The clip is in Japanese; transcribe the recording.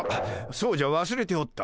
そうじゃわすれておった。